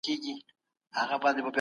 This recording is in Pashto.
په کورني تدریس کې د ماشوم زړه نه ماتېږي.